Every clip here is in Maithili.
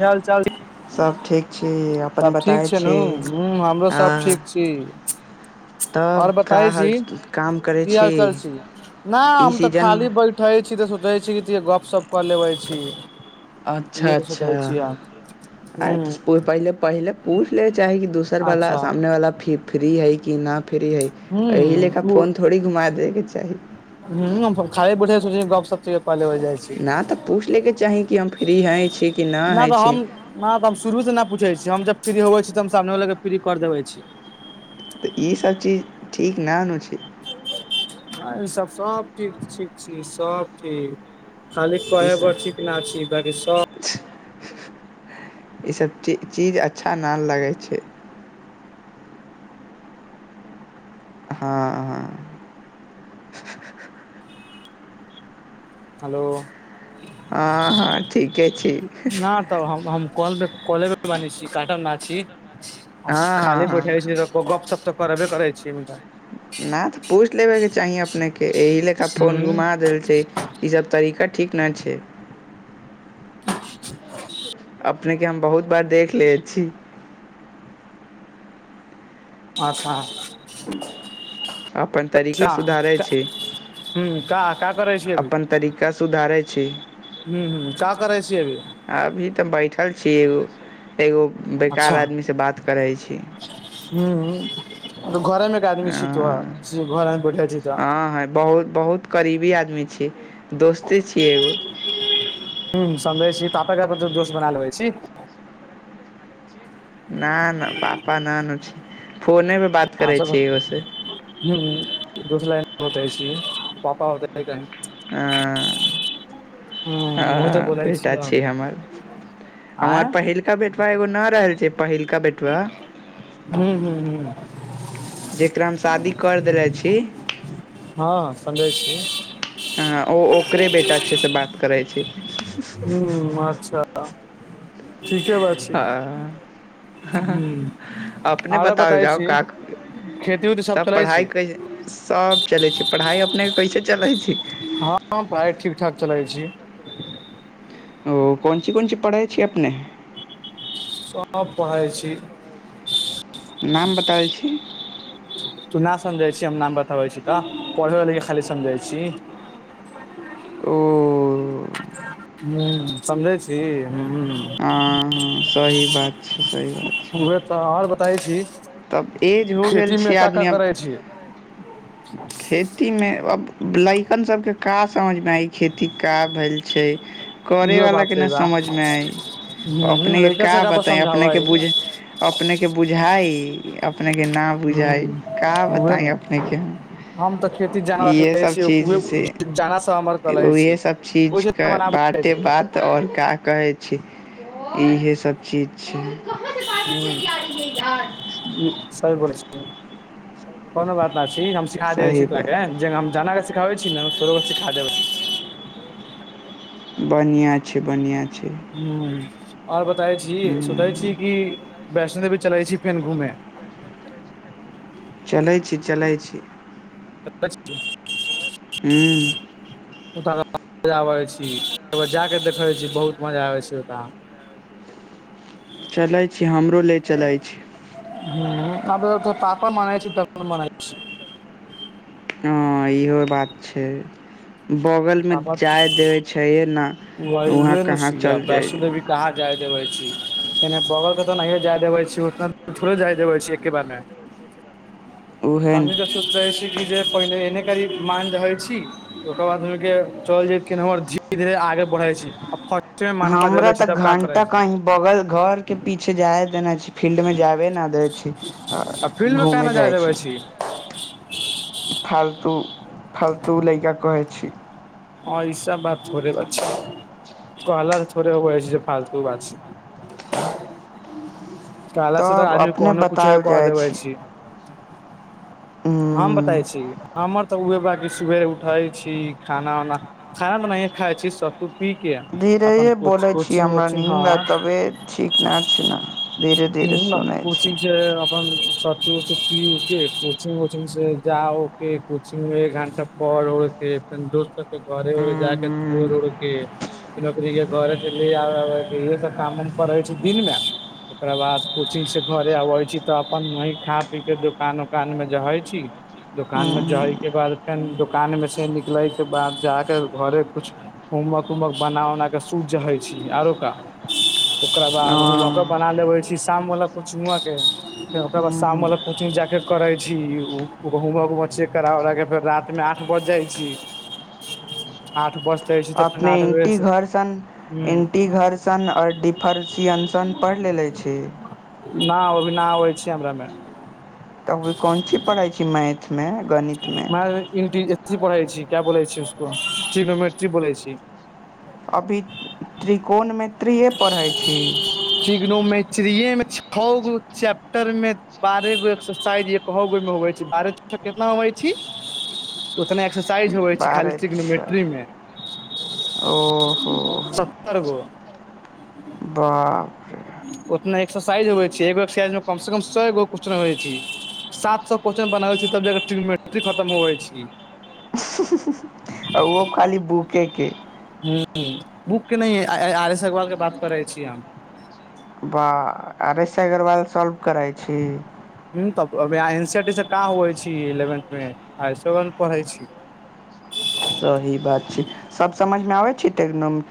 च हाल चाल सब ठीक छी त अपन ठीक बताय छै नु छी ह हमरो सभ ठीक हँ छी तब आओर का बताय हाल छी काम करै की हालचाल छी नहि ई हम तऽ सीजन खाली बैठ उठै छी तऽ सोचै छी कि त गपशप कऽ लेबै छी अच्छा इहे सोचै अच्छार छियै ह पहिले पहिले पूछि लेबे चाही कि दोसरवला अच्छा सामनेवला फ फ्री हय कि नहि फ्री हय ह एहि लऽ कऽ फोन थोड़ी घुमा दैके चाही ह खइ पठै सु गप सप पले होइ जाइ छै नहि तऽ पूछि लेके चाही कि हम फ्री हय छी कि नहि होय छी ह तऽ हम शुरू से नहि पूछै छीै हम जब फ्री होवै छी तऽ हम सामने ल क के फ्री कर देबै छी तऽ ईसभ चीज ठीक नानु छै सब सब ठीक ठीक छी सब ठीक खाली ई कह ब सब ठीक न बकि स ई सब च चीज अच्छा ना लगै छै हँ हँ हलो हँ हँ ठीके छी ना तऽ हम हम कौल कौल बे बानि छी काट ना छी आ हँ खाली हँ बैठय हँ छी त ओ गपशप तऽ करबे करै छियै मुद्दा नहि तऽ पूछि लेबेके चाही अपनेके एहि लेखा फोन घुमा देल छै ई सब तरीका ठीक ना छै [unintelligible] अपने के हम बहुत बार देख ले छी अच्छा अपन हूँ तरीका सुधारे छी का का करै अपन तरीका सुधारै छी हू हूं का करै छी अभी अभी तऽ बैठल छी एगो एगो बेकार आदमीसँ बात करै छी हऽ घरेमे के आदमी आ छी तोरा घरमे बैठल छी तऽ ह ह बहुत बहुत करीबी आदमी छियै दोस्ते छियै एगो ह समझै छी पापाके अपन दोस बना लेबै छी न न पापा ना नु छी फोन पे आंसर बोल [unintelligible] हूँ मुँह तऽ बोलै बेटा छी हम हमर हमर आँय पहिलका बेटा एगो न रहल छै पहिलका बेटवा हू ह ह जकरा हम शादी करि देले छी हँ समझैय छियै ह ओ ओकरे बेटा छै से बात करै छै हू अच्छा ठीके बात छै हाँ हूँ अपने आरो बताओल बताबै जाउ छी का करि खेती उती सब तब चलै पढ़ाइ छी कै सभ चलै छै पढ़ाइ अपनेके कैसे चलै छै हँ पढ़ाइ ठीक ठाक चलै छी ओ कोन ची कोन चीज पढ़ै छियै अपने सभ पढ़ै छी नाम बताबै छी तू न समझै छी हम नाम बताबै छी तऽ पढ़ै वे के खाली समझै छी ओ हूंम्म समझै छी हूंम्म हँ हँ सही बात छै सही बात छै उहे तऽ आर बताबै छी तब एज हो गेल खेतीमे का का करै छी खेतीमे आब लड़कन सभके का समझमेइ खेती क भेल छै इहो करैवलाके बात छै नहि बा समझमे आइ हूँ अपनेके लड़का का सबके आपस बताइ समझाबै अपनेके बुझ अपनेके बुझाइ अपनेके न बुझाइ का हूँ उहे बताइ नऽ अपनेके हम हम तऽ खेती जान रखले इहेसभ छी उहे चीजसँ जाना सँ हमर कले छी इहेसभ चीज ओहिसँ तऽ हमरा आबै जाइ बाते छी बात आओर का कहै छी इहे सब चीज छै हँ ई सहि बोले छीयै कोनो बात नहि छै। हम सिखा सही देबौ तोरा के। बात जे हम जानि कऽ सिखाबै छी ने, तोरो के सिखा देबौ। बढ़ियाँ छै बढ़ियाँ छै हूंम्म ओर बताबै छी सोचै छी कि वैष्णो देवी चलै छी फेर घूमे चलै छी चलै छी बै बछ [unintelligible] हूँ ओत ब आबै छी जाकऽ देखै छी बहुत मजा आबै छै ओतऽ चलैत छी हमरो ले चलैत छी हँ तऽ तऽपर मान छै तऽ मान। हँ इहो बात छै बगलमे पापड़ जाय देबै छैे ने वही वहाँ उहे ने कहाँ छियै चल जाइ वैष्णो देवी कहाँ जाय देबे छी क बगलके तऽ नहियो जाय देबे छी उतना दू थोड़े जाय देबे छी एके बारमे उहे हमनी ने तऽ सोच रहे छी कि जे पहिने एने करी मान रहै छी ओकर बाद के चल जा हमर धीरे धीरे आगे बढ़े छी फर्स्ट मे माना पा हमरा देले छी तऽ तब का करै घंटा छी कही बगल घर के पीछे जाय देना छै फील्ड मे जाबे न दे छै आ फील्ड मे काहे घूमय न जाय जाइ देबै छी फालतू फालतू लैका कहै छी हँ ई सब बात थोरे कहल हो जे फालतू ब छै कहला से तऽ तब आदमी अपने कोनो किछो बतायल कह जाइ देबै छी हम बताे हूँ छी हमर तऽ उह बा सुर उठै छी खाना उनाा खाना बनाइे खाइ छी सब तूपी के धीरेे अपन बोलै छी कोचिंग हमरा वोचिंग नीन्द आ हँ तबे ठीक ने छै ने धीरे धीरे ह सुनै कोचिंग छी छै अपन त तऽ फी ओके कोचिंग वचिंग से जा ओके कोचिंग एक घण्टा पर ओ फेर दोस्त सबके घरे उरे जाके छोड़ उड़ के फर के घर इह सब कामम पै छै दिनमे [unintelligible] ओकरा बाद कोचिंग सँ घरे अबै छी तऽ अपन वही खा पीके दोकान उोकानमे जै छी दोकान मे जहय के बाद फेर दोकान मे से निकलै के बाद जाक घरे कुछ होमवर्क उमवर्क बना उना के सुत जाहैछी आरो का ओकरा बाद होमवर्क के बना लेबे छी शाम वला कोचिंगवा के फेर ओक बाद शाम वालला कोचिंग जा के करै छी ‌औ होमवर्क उमऽ चेक करा उराकऽ फेर रातिमे आठ बजि जाइ छी ह आठ बजतै अपने इटी घर सन इंटी घर सन और डिफर सियनसन पढ़ि लेलेे छी नहि, एखन नहि आबै छै हमरा में। तभी कोन ची पढ़ाइ छी मैथ मे गणित हमरा आर इीन्टिरी पढ़ै छी क्या बोलै छी उसको ट्रीनोमेट्री बोलै छी अभी त्रिकोणमिति पढ़ैत छी। ट्रीगोनोमेटरीमे छगो चैप्टर मे बारह गो एक्सरसाइज होइ छै मतलब बारह वटा एक्सरसाइज एक्सरसाइज होवे छै खाली बारह ट्रीगनोमेट्री छः मे ओहो हो सत्तर गो बाह उतना एक्सरसाइज होे छै एगो एक्सरसाइज मे कम से कम सएगो कु छै सात सए क्वेश्चन बनाबै छै तब जा कऽ ट्रिगनोमेटरी क खतम होवे छै आ ओहो खाली बूकेके हँ, बुकक नहि, आर एस अग्रवालक बात करै छी हम। वाह, आर एस अग्रवाल सॉल्व करै छी। ह तबह एन सी आर टी से कहाँ होइ छै इलेवेन्थमे आ सेथ पढ़ै छी हँ, सही बात छै। सब समझ में आबै छै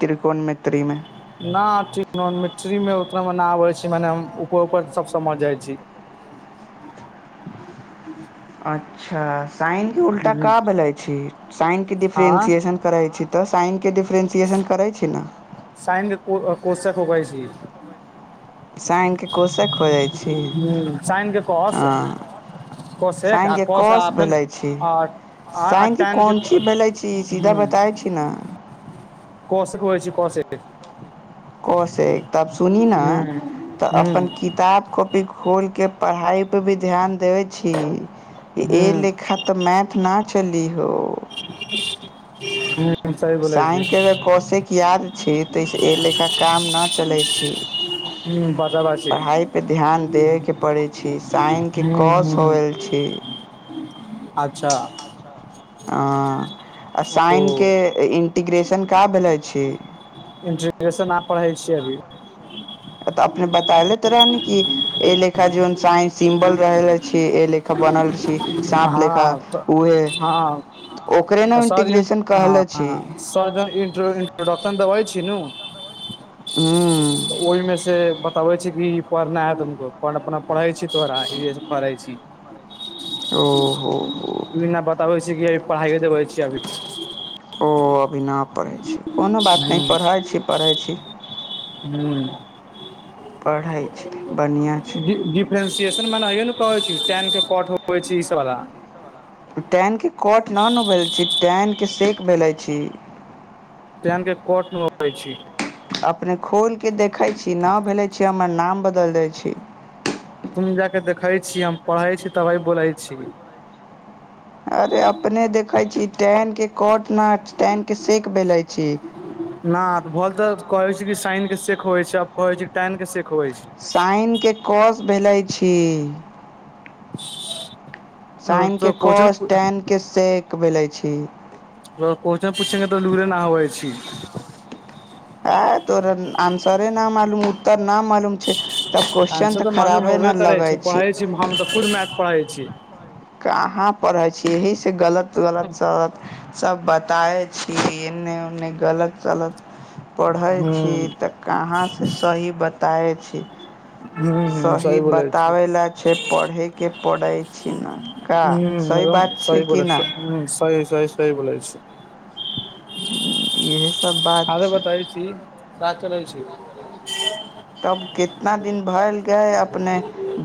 त्रिकोणमिति में। न नॉ ट्रीगोनोमेटरीमे उतना मे न आबै छै मने ऊपर ऊपर सब समझ जाइ छी [inaudible] अच्छा साइनके उल्टा क भेलै छै साइनके हँ डिफ्रेन्सिएशन करै छी तऽ साइनके डिफ्रेन्सिएशन करै छी ने साइन के कोर्शक होगा इसी साइन कऽ कोशक ख खोजइ छी साइन के कॉस हँ कोशेक साइन आ क कॉस कौस आ फेन भेलै छी आ आ साइन क टेन के कोन चीज बोलै छी सीधा बताै छी ने कस कहै छै कस क से त सुनी न हूं तऽ अपन किताब को खोलके पढ़ाइ पर भी ध्यान देबै छी एहि हूं लेखा तऽ मैथ ना चली हो हू साइनके अगर कौशयके याद छी तऽसँ एहि लेखा काम नहि चलै छी हूं पाछाभाछी पढ़ाई पे ध्यान देबे के पड़े छै साइन के हूं कस हो हूं छी अच्छा ह आ ओ साइनके इन्टीग्रेशन क भेलो छी इंट्रग्रेशन आब पढ़ै छियै अभी त अपने बताएले त रहनि कि ए लेखा जोन साइन सिम्बल रहल अछि ए लेख हँ तऽ ओ हँ ओकरे ने इंटीग्रेशन कहले छी स इन्ट्रोडक्शन देबै छी नू हू तऽ ओइमे से बताबै छै कि ई पढ़ना है तुमको अपन अपना पढ़ै छी तोरा इहे सब करै छी ओहो हो ना बताबै छी कि अभी पढ़ाइए देबै छियै अभी ओ अभी ना पढ़ै छी कोनो बात नइ पढ़ै छी पढ़ै छी हू पढ़इ छी बढ़िआँ छै डिफ्रेंसिएशन मनेय ने कहै छी टेनक के कट छै ई सबवला टेनके कट न नु भेलै छी टेनके सेेक भेलै छी टेन के कोट मे होै छी अपने खोलिक देखैत छी न भेलै छी हमर नाम बदलि दै छी तुम जाके देखै छी हम पढ़ै छी तबे बोलै छी अरे अपने देखै छी टेन के कट न टेन के सेक बेलै छी न भल तऽ कहै छै कि साइन के सेेक होे छै आब कहै छै टेन के सेेक होय छै साइनके कस भेलै छी साइन के तऽ कोचन कोस टेन के सेक भेलै छी एगो क्वेश्चन पुछे के तऽ लूरे न होवै छी ह तोरा आन्सरे न मालूम उत्तर न मालूम तब क्वसचन तऽ खराबे नहि लगै छै जी हम तऽ खुद मैथ पढ़ै छी कहाँ पढ़ै छियै यहीसँ गलत गलत सलत सभ बताए छी एन्ने ओने गलत सलत पढ़ै हूं छी तऽ कहाँसँ सही बताबै छी हूं हूं सही बोलै छी बताबै लए छै पढ़ैके पड़ै छी न का हूं हूं सही एकदम बात छै सही कि ना बोलइछिए ह सहि सहि सहि बोलै छियै इएहसब बात छै ती ता चलै छै तब केतना दिन भ‌एल गए अपने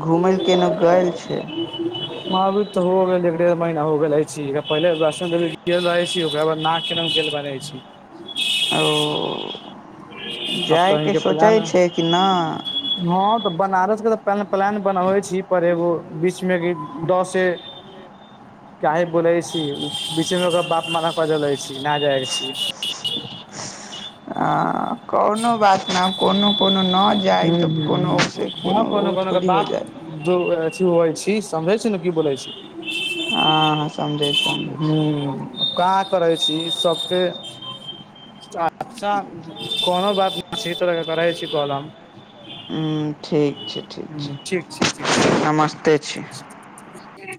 घूमय केेनहु गेल छै ह अब उ त हो गेल एक डेढ़ महीना हो गेल रहि छी पहिले वैष्ण देवी गेल रहे छी ओकरा बाद न के मे गेल रहै छी ओ आब जाएके सोचै छै कि ना हँं तऽ बनारस के तऽ प्लान बनबे छी पर एगो बीच मे क दसे [unintelligible] काह बोलै छी बीचे मे ओकरा बाप माना क लै छी नहि जाय छी आ कोनो बात न कोनो कोनो न जाइ हूं तऽ हूं कोनो से हूं आ कोनो ओ कोनो के थोड़ी हो बाप जाइ जो अथी होय छी समझै छी न की बोलै छी हां ह समझैछी समझैछी कहाँ करै छी सबके अच्छा कोनो बात अी तऽके करै छी कॉल हम हू ठीक छै ठीक हूँ छै नमस्ते छी ओ